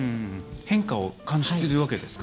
変化を感じているわけですか？